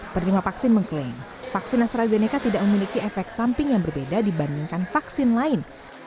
penerima vaksin mengklaim vaksin astrazeneca tidak memiliki efek samping yang berbeda dibandingkan vaksin lain